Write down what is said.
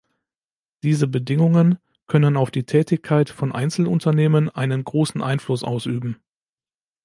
Diese Bedingungen können auf die Tätigkeit von Einzelunternehmen einen großen Einfluss ausüben.